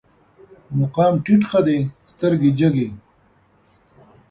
مقام ټيټ ښه دی، سترګې جګې